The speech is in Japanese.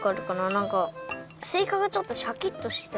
なんかすいかがちょっとシャキッとしてる。